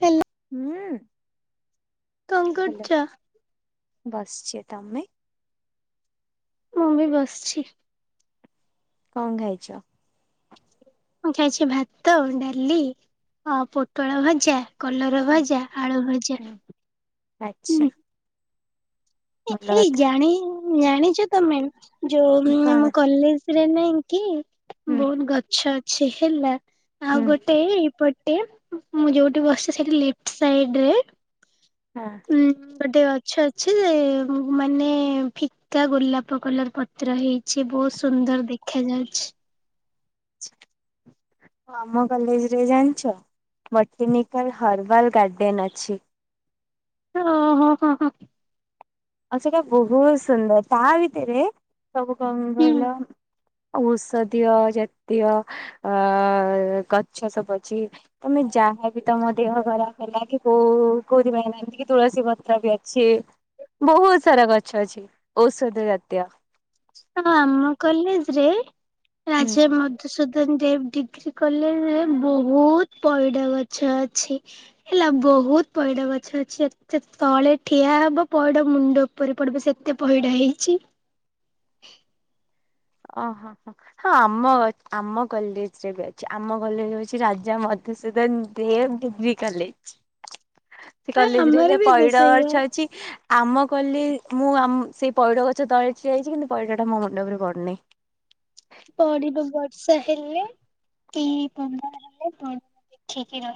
Hello. ହୁଁ hello କରୁଛ? ବସଚି ତମେ? ମୁଁ ବି ବସଛି। କଣ ଖାଇଚ? ମୁଁ ଖାଇଛି ଭାତ, ଡାଲି ଆ ପୋଟଳ ଭଜା। କଲର ହୁଁ ଭଜା, ଆଳୁ ଭଜା ହୁଁ ଆଚ୍ଛା ହୁଁ। ଭଲ ହେଇ କଥା ଜାଣେ ଜାଣିଚ ତମେ? ଯୋଉ ଆମ କଣ କଲେଜ ରେ ନାଇଁ କି ହୁଁ ବୋହୁତ ଗଛ ଅଛି ହେଲା ଆଉ ହୁଁ ଗୋ ଏଇପଟେ ମୁଁ ଯୋଉଠି ବସିଚି ସେଇଠି ଲିପ୍ଟ ସାଇଡରେ ହଁ ଉଁ ଗୋଟେ ଗଛ ଅଛି ଯେ ମାନେ ଫିକା ଗୋଲାପ କଲର ପ ରହିଛି ବୋହୁତ ସୁନ୍ଦର ଦେଖା ଯାଉଛି। ହଁ ଆମ କଲେଜରେ ଜାଣିଛ ଭଟିନିକାଲ ହର୍ବାଲ ଗାର୍ଡେନ ଅଛି। ଓ ହୋ ହୋ ହୋ। ଆ ସେଟା ବୋହୁତ ସୁନ୍ଦର ତା ଭିତରେ ସବୁ କଙ୍ଗ ହୁଁ କହିଲ? ଔଷଧୀୟ ଜାତୀୟ ଅ ଗଛ ସବୁ ଅଛି। ତମେ ଯାହାବି ତମ ଦେହ ଖରାପ ହେଲା କି କୋଉ କୋଉଥିପାଇଁ ନାହିଁ ଏମିତିକି ତୁଳସୀ ପତ୍ର ବି ଅଛି। ବୋହୁତ ସାରା ଗଛ ଅଛି ଔଷଧ ଜାତୀୟ। ହଁ ଆମ କଲେଜ ରେ ରାଜେ ହୁଁ। ମ ମଧୂ ସୂଦନ ଦେବ ଡିଗ୍ରୀ କଲେଜରେ ବହୁତ ପଇଡ଼ ଗଛ ଅଛି। ହେଲା ବୋହୁତ ପଇଡ଼ ଗଛ ଅଛି ଏତେ ତଳେ ଠିଆ ହବ ପଇଡ଼ ମୁଣ୍ଡ ଉ ଉପରେ ପଡିବ ସେତେ ପଇଡ଼ ହେଇଚି। ଓହୋ ହୋ ହୋ ହଁ ଆମ ଗ ଆମ କଲେଜ ରେ ବି ଅଛି ଆମ କଲେଜ ହୋଉଚି Raja Madhusudan Dev degree college. ସେ ହଁ କଲେଜ ରେ ଆମର ହେଲେ ବି ତ ପଇଡ ସେଇଆ ଗଛ ଅଛି। ଆମ କଲେ ମୁଁ ଆମ୍ ସେଇ ପଇଡ ଗଛ ତଳେ ଛିଡ଼ା ହେଇଚି କିନ୍ତୁ ପଇଡା ଟା ମୋ ମଣ୍ଡପରେ ପଡୁନି। ପଢିବ ବର୍ଷା ହେଲେ କି ପଙ୍ଗା ହେଲେ ପି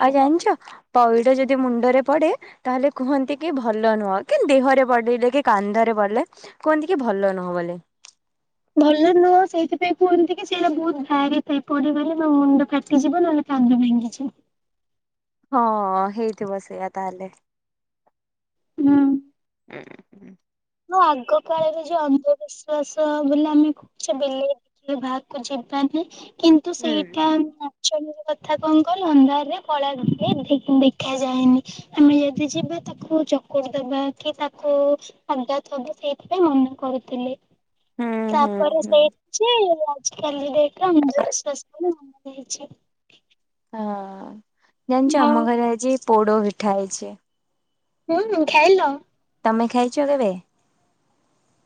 ଆଉ ଜାଣଚ ପଇଡ ଯଦି ମୁଣ୍ଡରେ ପଡେ ତାହେଲେ କୁହନ୍ତି କି ଭଲ ନୁହଁ କିନ ଦେହରେ ପଢିଲେ କି କାନ୍ଧରେ ପଡିଲେ କୁହନ୍ତି କି ଭଲ ନୁହଁ ବୋଲି। ଭଲ ନୁହଁ ସେଇଥିପାଇଁ କୁହନ୍ତି କି ସେଇଟା ବୋହୁତ ଭାରିଥାଏ ପଡିଗଲେ ନା ମୁଣ୍ଡ ଫାଟିଯିବ ନହେଲେ କାନ୍ଦ ଭାଙ୍ଗିଯିବ। ହଁ ହେଇଥିବ ସେଇଆ ତାହଲେ। [inaudible] ନ ଆଗ କାଳରେ ଯୋଉ ଅନ୍ଧବିଶ୍ଵାସ ବୋଲି ଆମେ କହୁଛେ ବିଲେଇ କିଏ ବାହାକୁ ଯିବାନି କିନ୍ତୁ ସେଇଟା ହୁଁ। ହେଲା [inaudible] ର କଥା କ'ଣ କହିଲ ଅନ୍ଧାରରେ କଳା ବିଲେଇ ଦେଖ ଦେଖାଯାଏନି। ଆମେ ଯଦି ଯିବା ତାକୁ ଚକୁଟି ଦବା କି ତାକୁ [inaudible] ସେଇଥିପାଇଁ ମନା କରୁଥିଲେି, ହୁଁ ହୁଁ ହୁଁ ତାପରେ ହୁଁ। ସେ ଯେ ଆଜି କା ଡେଟରେ ଆମର ବିଶ୍ବାସ ହଉନି [inaudible] ହଁ, ଜାଣିଛ ଆମ ହଉ ଘରେ ଆଜି ପୋଡ ପିଠା ହେଇଛି। ହୁଁ, ଖାଇଲ? ତମେ ଖାଇଛ କେବେ?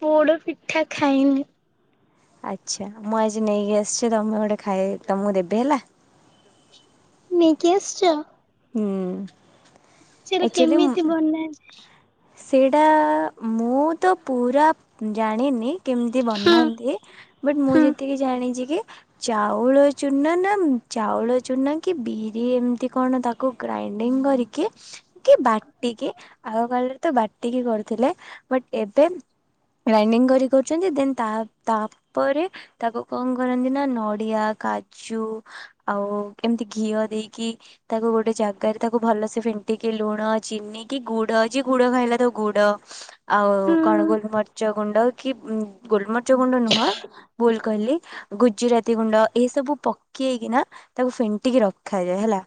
ପୋଡ଼ ପିଠା ଖାଇନି। ଆଚ୍ଛା, ମୁଁ ଆଜି ନେଇକି ଆସିଛି ତମେ ଗୋଟେ ଖାଇ ତମକୁ ଦେବି ହେଲା। ନେଇକି ଆସିଛ। ହୁଁ। ସେଇଟା କେମିତି ବନା ସେଇଟା ମୁଁ ତ ପୁରା ଜାଣିନି। କେମିତି ହଁ ବନାନ୍ତି ବଟ୍ ମୁଁ ହଁ ଯେତିକି ଜାଣିଛି କି ଚାଉଳ ଚୁନା ନା ଚାଉଳ ଚୁନା କି ବିରି ଏମିତି କ'ଣ ତାକୁ ଗ୍ରାଇଣ୍ଡିଙ୍ଗ କରି କି କି ବାଟିକି ଆଗ କାଳରେ ତ ବାଟିକି କରୁଥିଲେ ବଟ ଏବେ ଗ୍ରାଇଣ୍ଡିଙ୍ଗ କରି କରୁଛନ୍ତି ଦେନ୍ ତା ତାପରେ ତାକୁ କ'ଣ କରନ୍ତି ନା ନଡିଆ, କାଜୁ ଆଉ ଏମିତି ଘିଅ ଦେଇକି ତାକୁ ଗୋଟେ ଜାଗାରେ ତାକୁ ଭଲସେ ଫେଣ୍ଟିକି ଲୁଣ, ଚିନି, କିି ଗୁଡ ଅଛି ଗୁଡ ଖାଇଲା ତାକୁ ଗୁଡ ଆଉ କ'ଣ ହଁ। ଗୋଲମରିଚ ଗୁଣ୍ଡ କି ଗୋଲମରିଚ ଗୁଣ୍ଡ ନୁହଁ ଭୁଲ କହିଲି ଗୁଜିରାତି ଗୁଣ୍ଡ ଏହି ସବୁ ପ କିଏକି ନା ତାକୁ ଫେଣ୍ଟିକି ରଖାଯାଏ ହେଲା।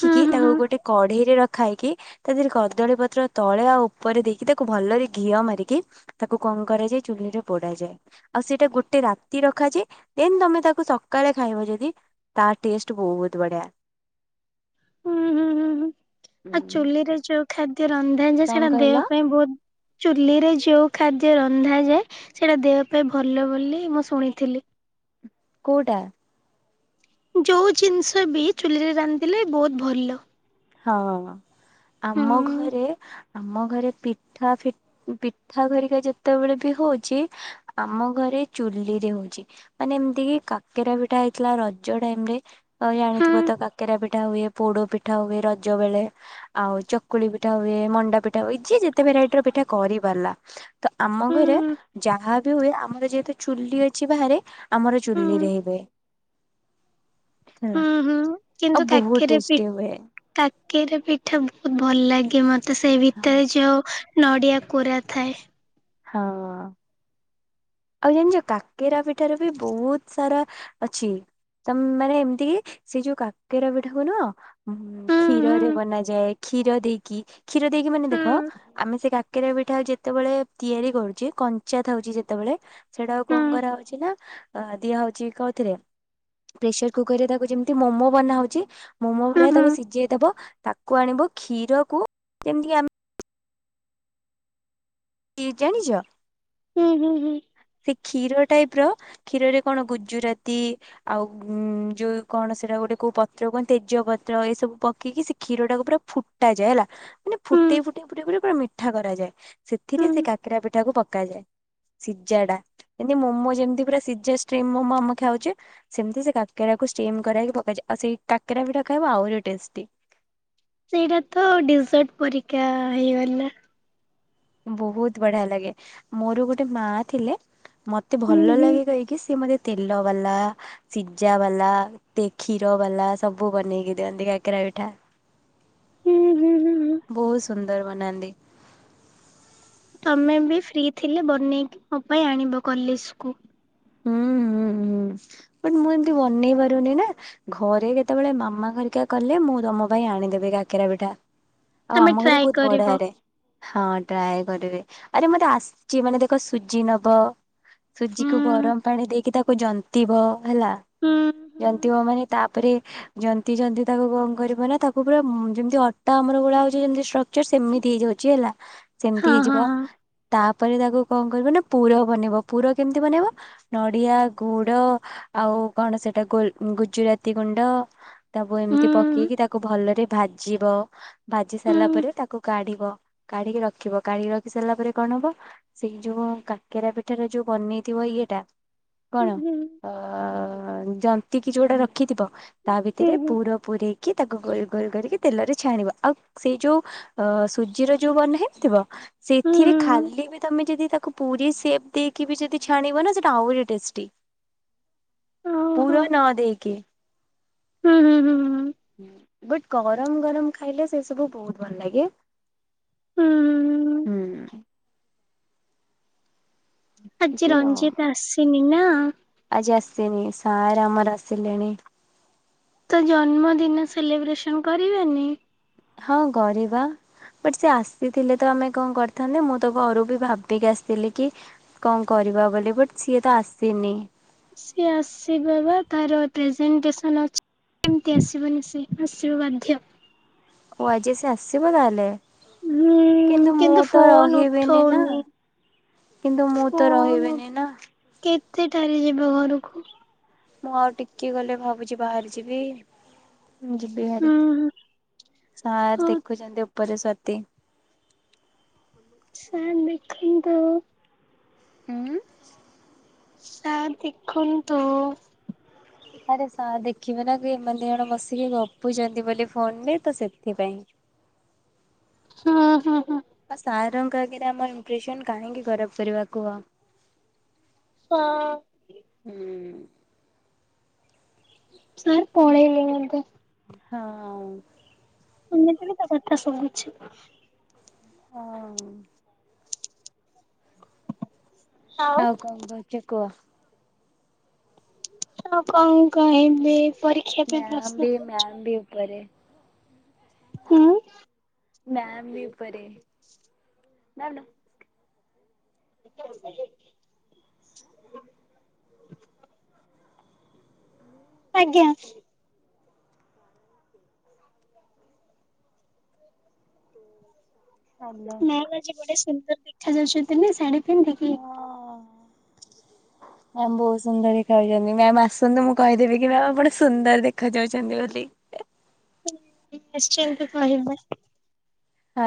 ହୁଁ ହୁଁ ତାକୁ ହୁଁ ଗୋଟେ କଢେଇରେ ରଖା ହେଇକି ତା ଦେହରେ କଦଳୀ ପତ୍ର ତଳେ ଆଉ ଉପରେ ଦେଇକି ତାକୁ ଭଲରେ ଘିଅ ମାରିକି ତାକୁ କ'ଣ କରାଯାଏ ଚୁଲିରେ ପୋଡ଼ା ଯାଏ। ଆଉ ସେଇଟା ଗୋଟେ ରାତି ରଖାଯାଏ, ଦେନ ତମେ ତାକୁ ସକାଳେ ଖାଇବ ଯଦି ତା ଟେଷ୍ଟ ବହୁତ ବଢ଼ିଆ। ହୁଁ, ହୁଁ, ହୁଁ, ହୁଁ, ହୁଁ। ଆଉ ଚୁଲିରେ ଯୋଉ ଖାଦ୍ୟ ରନ୍ଧା ଯାଏ କଣ ସେଇଟା ଦେହ କହିଲ ପାଇଁ ବହୁତ ଚୁଲିରେ ଯୋଉ ଖାଦ୍ୟ ରନ୍ଧାଯାଏ, ସେଇଟା ଦେହ ପାଇଁ ଭଲ ବୋଲି ମୁଁ ଶୁଣିଥିଲି। କୋଉଟା? ଯୋଉ ଜିନିଷ ବି ଚୁଲିରେ ରାନ୍ଧଥିଲେ ବହୁତ ଭଲ। ହଁ, ହୁଁ ଆମ ଘରେ ଆମ ଘରେ ପିଠା ଫି ପିଠା ଘରିକା ଯେତେବେଳେ ବି ହଉଛି ଆମ ଘରେ ଚୁଲି ରେ ହଉଛି। ମାନେ ଏମିତି କି କାକେରା ପିଠା ହେଇଥିଲା ରଜ ଟାଇମ ରେ। ଆଉ ହୁଁ ଜାଣିଥିବ ତ କାକେରା ପିଠା ହୁଏ, ପୋଡ ପିଠା ହୁଏ ରଜ ବେଳେ। ଆଉ ଚକୁଳି ପିଠା ହୁଏ, ମଣ୍ଡା ପିଠା ହୁଏ, ଯିଏ ଯେତେ ଭେରାଇଟି ର ପିଠା କରି ପାରିଲା। ତ ଆମ ହୁଁ ଘରେ ଯାହା ବି ହୁଏ, ଆମର ଯେହେତୁ ଚୁଲି ଅଛି ବାହାରେ ଆମର ହୁଁ ଚୁଲିରେ ହୁଏ। ହେଲା, ହୁଁ ହୁଁ ଆଉ ବହୁତ ଟେଷ୍ଟି ହୁଏ। କାକେରା ପିଠା ବହୁତ ଭଲ ଲାଗେ ମତେ ସେଇ ଭିତରେ ଯୋଉ ନଡ଼ିଆ କୋରା ଥାଏ। ହଁ। ଆଉ ଜାଣିଛ କାକେରା ପିଠାର ବି ବହୁତ ସାରା ଅଛି। ତମ ମାନେ ଏମିତି କି ସେଇ ଯୋଉ କାକେର ପିଠାକୁ ନୁହଁ ହୁଁ ହୁଁ କ୍ଷୀରରେ ବନାଯାଏ, କ୍ଷୀର ଦେଇକି। କ୍ଷୀର ଦେଇକି ମାନେ ଦେଖ ହୁଁ ଆମେ ସେ କାକର ପିଠା ଯେତେବେଳେ ତିଆରି କରୁଛି କଞ୍ଚା ଥାଉଛି ଯେତେବେଳେ ସେଇଟା କୁ ହୁଁ କଣ କରାହଉଛି ନା ଦିଆ ହଉଛି କଉଥିରେ ପ୍ରେସର କୁକର ରେ ତାକୁ ଯେମିତି ମୋମୋ ବନାହଉଛି ମୋମୋ ହୁଁ ଭଳିଆ ତାକୁ ହୁଁ ସିଝେଇଦବ। ତାକୁ ଆଣିବ କ୍ଷୀରକୁ ଯେମିତି ଆମେ କି ଜାଣିଛ ହୁଁ ହୁଁ ହୁଁ। ସେ କ୍ଷୀର ଟାଇପ ର କ୍ଷୀରରେ କଣ ଗୁଜୁରାତି ଆଉ ଉ ଯୋଉ କଣ ସେଟା ଗୋଟେ କୋଉ ପତ୍ର କୁହନ୍ତି ତେଜ ପତ୍ର ଏ ସବୁ ପକେଇକି ସେ କ୍ଷୀର ଟାକୁ ପୁରା ଫୁ ଫୁଟା ଯାଏ ହେଲା ମାନେ ହୁଁ ଫୁଟେଇ-ଫୁଟେଇ-ଫୁଟେଇ ପୁରା ମିଠା କରାଯାଏ। ସେଥିରେ ହୁଁ ସେ କାକେରା ପିଠାକୁ ପକାଯାଏ। [unintelligible] ଯେମତି ମୋମୋ ଯେମିତି ପୁରା ସିଯା ଷ୍ଟ୍ରିମ୍ ମୋମୋ ଆମେ ଖାଉଛେ ସେମିତି ସେ କାକେରାକୁ ଷ୍ଟିମ କରାହେଇକୀ ପକାଯାଏ। ଆଉ ସେଇ କାକେରା ପିଠା ଖାଇବ ଆହୁରି ଟେଷ୍ଟି। ସେଇଟା ତ ଡେଜର୍ଟ ପରିକା ହେଇଗଲା। ବହୁତ ବଢିଆ ଲାଗେ ମୋର ଗୋଟେ ମା ଥିଲେ ମତେ ମତେ ହୁଁ ଭଲ ହୁଁ ଲାଗେ କହିକି ସି ମତେ ତେଲ ବାଲା ସିଜା ବାଲା ତ କ୍ଷୀର ବାଲା ସବୁ ବନେଇକି ଦିଅନ୍ତି କକେରା ପିଠା। ହୁଁ ହୁଁ ହୁଁ ହୁଁ। ବହୁତ ସୁନ୍ଦର ବନାନ୍ତୀ। ତମେ ବି ଫ୍ରି ଥିଲେ ବନେଇକି ମୋ ପାଇଁ ଆଣିବ କଲେଜ୍ କୁ। ହୁଁ-ହୁଁ-ହୁଁ ବଟ୍ ମୁଁ ଏମତି ବନେଇ ପାରୁନି ନା। ଘରେ କେତେବେଳେ ମାମା ଘରିକା କଲେ ମୁଁ ତମ ପାଇଁ ଆଣିଦେବି କାକେରା ପିଠା। ଆଉ ତମେ ଆମ ଘରେ ଟ୍ରାଏ ବହୁତ କରିବ ବଢ଼ିଆରେ ହଁ ଟ୍ରାଏ କରିବେ ଆରେ ମତେ ଆସିଛି ମାନେ ଦେଖ ସୁଜି ନବ ହୁଁ ସୁଜିକୁ ଗରମ ପାଣି ଦେଇକି ତାକୁ ଜନ୍ତିବ ହେଲା। ହୁଁ। ହୁଁ ଜନ୍ତିବ ମାନେ ତାପରେ ଜନ୍ତି ଜନ୍ତି ତାକୁ କଣ କରିବ ନା ତାକୁ ପୁରା ଯେମିତି ଅଟା ଆମର ଗୁଳା ହଉଛି ଯେମତି ସେମିତି ହେଇଯାଉଛି ହେଲା। ସେମିତି ହଁ ହଁ ହେଇଯିବ ହଁ। ତାପରେ ତାକୁ କଣ କରିବ ନା ପୁର ବନେଇବ। ପୁର କେମିତି ବନେଇବ ନଡିଆ ଗୁଡ ଆଉ କଣ ସେଟା ଗୋଲ୍ ଗୁଜୁରାତି ଗୁଣ୍ଡ ତାକୁ ଏମିତି ପକେଇକି ତାକୁ ଭଲରେ ଭାଜିବ। ଭାଜି ହୁଁ ସାରିଲା ହୁଁ ପରେ ତାକୁ କାଢିବ। କାଢିକି ରଖିବ କାଢିକି ରଖି ସାରିଲା ପରେ କଣ ହବ ସେଇ ଯୋଉ କାକେରା ପିଠାରେ ଯୋଉ ବନେଇଥିବ ଇଏ ଟା କଣ ହୁଁ ଅ ଯନ୍ତି କିି ଯୋଉଟା ରଖିଥିବ ତା ହୁଁ ଭିତରେ ହୁଁ ପୁର ପୂରେଇକି ତାକୁ ଗୋଲ ଗୋଲ କରିକି ତେଲରେ ଛାଣିବ। ଆଉ ସେଇ ଯୋଉ ଅ ସୁଜିର ଯୋଉ ବନା ହେଇଥିବ ହୁଁ ସେଥିରେ ହୁଁ ଖାଲି ବି ତମେ ଯଦି ତାକୁ ପୁରୀ ସେପ୍ ଦେଇକି ବି ଯଦି ଛାଣିବ ନା ସେ ଆହୁରି ଟେଷ୍ଟି ପୁର ନ ଦେଇକି। ହୁଁ-ହୁଁ-ହୁଁ। ବଟ୍ ଗରମ୍ ଗରମ୍ ଖାଇଲେ ସେ ସବୁ ବହୁତ ଭଲ ଲାଗେ। ହୁଁ। ଆଜି ଆଉ। ରଞ୍ଜିତା ଆସିନି ନା। ଆଜି ଆସିନି ସାର ଆମର ଆସିଲେଣି। ତ ଜନ୍ମଦିନ ସେଲିବ୍ରେସନ କରିବେନି? ହଁ କରିବା। ବଟ ସେ ଆସିଥିଲେ ତ ଆମେ କଣ କରିଥାନ୍ତେ ମୁଁ ତ ଘରୁ ବି ଭାବିକି ଆସିଥିଲି କି କଣ କରିବା ବୋଲି ବଟ୍ ସିଏ ତ ଆସିନି। ସିଏ ଆସିବ ବା ତାର ପ୍ରେଜେଣ୍ଟେସନ ଅଛି। କେମିତି ଆସିବନି ସେ ଆସିବ ବାଧ୍ୟ। ଓ ଆଜି ସେ ଆସିବ ତାହେଲେ। ହୁଁ କିନ୍ତୁ ମୁଁ ତ ଫୋନ ରହିବିନି ନା। ଉଠଉନି। କିନ୍ତୁ ମୁଁ ତ ଫୋନ ରହିବିନି ନା। କେତେଟାରେ ଯିବେ ଘରକୁ? ମୁଁ ଆଉ ଟିକେ ଗଲେ ଭାବୁଛି ବାହାରି ଯିବି। ଯିବି ହାରି। ହୁଁ ସାର ହଉ ଦେଖୁଛନ୍ତି ଉପରେ ସତେ। ସାର୍ ଦେଖନ୍ତୁ। ହୁଁ। ସାର୍ ଦେଖନ୍ତୁ। ଆରେ ସାର୍ ଦେଖିବେ ନା ବି ଏମାନେ ଦି ଜଣ ବସିକି ଗପୁଛନ୍ତି ବୋଲି ଫୋନରେ ତ ସେଥିପାଇଁ। [inaudible] ହଁ ହଁ। ଆଉ ସାରଙ୍କ ଆଗରେ ଆମ ଇମ୍ପ୍ରେସନ କାହିଁକି ଖରାପ କରିବା କୁହ? ହଁ। ହୁଁ। ସାର୍ ପଳେଇଲେଣି ବୋଧେ? ହଁ। ଶୁଣିିଥିଲି ତା କଥା ସବୁ କିଛି ହଁ। ଆଉ କଣ କହୁଛ କୁହ? ହଁ କଣ କହିବି ପରୀକ୍ଷା ପାଇଁ ପ୍ରସ୍ତୁତ ମ୍ୟାମ ହଉଛ? ବି ପରେ ହୁଁ। ମ୍ୟାମ ବି ଉପରେ। [unintelligible] ଆଜ୍ଞା। ହାଲୋ ହଁ। ନା ଆଜି ଗୋଟେ ସୁନ୍ଦର ଦେଖା ଯାଉଛନ୍ତି ଶାଢୀ ପିନ୍ଧିକି ମ୍ୟାମ ବହୁତ ସୁନ୍ଦର ଦେଖାଉଛନ୍ତି ମ୍ୟାମ ଆସନ୍ତୁ ମୁଁ କହିଦେବି କି ମ୍ୟାମ ଆପଣ ସୁନ୍ଦର ଦେଖାଯାଉଛନ୍ତି ବୋଲି। ନିଶ୍ଚୟ ତୁ। [unintelligible] ହଁ।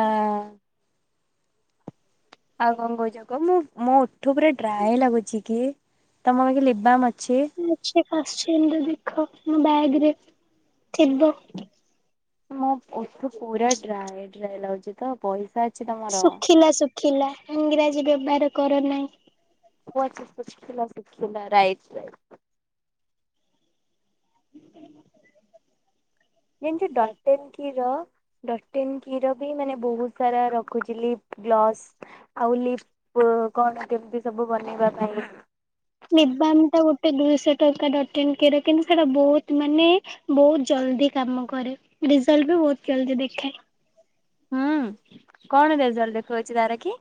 ଆଉ କଣ କହୁଛ କୁହ ମୁଁ ମୋ ଉଠ ପୁରା ଡ୍ରାଏ ଲାଗୁଛି କି ତମ ପାଇଁ ଲିବମ୍ ଅଛି। ଆସିଛି ଏମ ଦେଖ ମୋ ବ୍ୟାଗରେ ଥିବ। ମୋ ଓଠ ପୁରା ଡ୍ରାଏ ଡ୍ରାଏ ଲାଗୁଛି ତ। ପଇସା ଅଛି ତମ ଶୁଖିଲା ଶୁଖିଲା ଇଂରାଜୀ ବ୍ୟବହାର କର ନାହିଁ। [unintelligible] ଥିଲା ଶୁଖିଲା ରାଇଟ ରାଇଟ। ହୁଁ। ଯେମିତି ଡଟେନ୍ କ୍ଷୀର ଡଟେନ କ୍ଷୀର ବି ମାନେ ବହୁତ ସାରା ରଖୁଥିଲି। ଗ୍ଲସ୍ ଆଉ ଲିପ କଣ କେମିତି ସବୁ ବନେଇବା ପାଇଁ। ନିବାମ ଟା ଗୋଟେ ଦୁଇଶହ ଟଙ୍କା ଡଟ୍ ଆଣ୍ଡ କି ର ସେଟା ବହୁତ ମାନେ ବହୁତ ଜଲଦି କାମ କରେ ରେଜଲ୍ଟ ବି ବହୁତ ଜଲଦି ଦେଖାଏ। ହୁଁ କଣ ରେଜଲ୍ଟ ଦେଖଉଛି ତାର କି?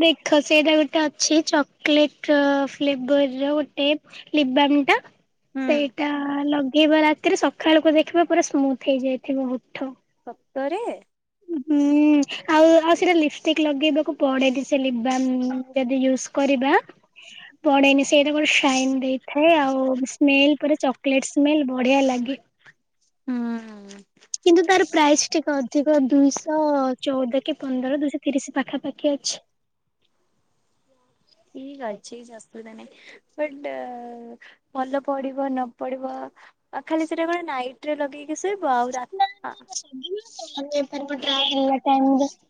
ଦେଖ ସେଇଟା ଗୋଟେ ଅଛି ଚକୋଲେଟ ଫ୍ଲେବର ଗୋଟେ ଲିିବାମ୍ ଟା। ହୁଁ। ସେଇଟା ଲଗେଇବ ରାତିରେ ସକାଳକୁ ଦେଖିବ ପୁରା ସ୍ମୁଥ ହେଇଯାଇଥିବ ଓଠ। ସତରେ? ହୁଁ ଆଉ ଆଉ ସେଇଟା ଲିପଷ୍ଟିକ ଲଗେଇବାକୁ ପଡେନି ସେ ଲିବାମ ଯଦି ୟୁ କରିବା। ପଡେନି ସେଇଟା ଗୋଟେ ସାଇନ ଦେଇଥାଏ। ଆଉ ସ୍ମେଲ ପ ଚକୋଲେଟ ସ୍ମେଲ ବଢିଆ ଲାଗେ। ହୁଁ କିନ୍ତୁ ତାର ପ୍ରାଇସ୍ ଟିକେ ଅଧିକ ଦୁଇଶହ ଚଉଦ କି ପନ୍ଦର ଦୁଇଶହ ତିରିଶ ପାଖାପାଖି ଅଛି। ଠିକ୍ ଅଛି ସକୃତାନେ। ବଟ ଭଲ ପଢିବ ନ ପଢିବ। ଆ ଖାଲି ସେଟା କଣ ନାଇଟ ରେ ଲଗେଇକି ଶୋଇବ ଆଉ ରା [unintelligible]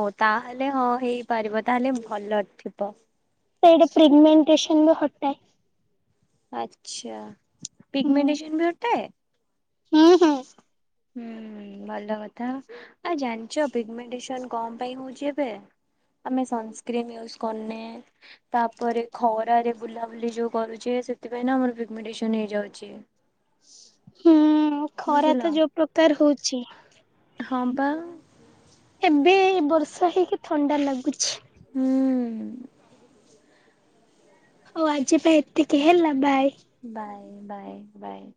ହଉ ତାହେଲେ ହଁ ହେଇପାରିବ ତାହେଲେ ଭଲ ଥିବ। ସେଇଟ ପ୍ରିଗମେଣ୍ଟେସନ ହଟାଏ। ଆଚ୍ଛା ହୁଁ ପିଗମେଣ୍ଟସନ ବି ହଟାଏ। ହୁଁ ହୁଁ। ହୁଁ। ଭଲ କଥା ଆ ଜାଣିଛ ପିଗମେଟେଶନ କଣ ପାଇଁ ହଉଛି ଏବେ? ଆମେ ସନସ୍କ୍ରିନ୍ ୟୁଜ କରୁନେ ତାପରେ ଖରାରେ ବୁଲାବୁଲି ଯେଉଁ କରୁଛେ ସେଥିପାଇଁ ଆମର ପିଗ୍ମେଟେଶନ ହେଇଯାଉଛି। ହୁଁ ଖରା ବୁଝିଲ ତ ଯୋଉ ପ୍ରକାର ହଉଛି। ହ ବା। ଏବେ ବର୍ଷା ହେଇକି ଥଣ୍ଡା ଲାଗୁଛି। ହୁଁ। ଓ ଆଜି ପାଇଁ ଏତିକି ହେଲା ବାଏ। Bye bye bye.